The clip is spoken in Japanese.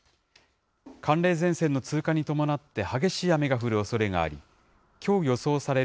寒冷前線の通過に伴って、激しい雨が降るおそれがあり、きょう予想される